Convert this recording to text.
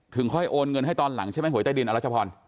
ค่อยโอนเงินให้ตอนหลังใช่ไหมหวยใต้ดินอรัชพร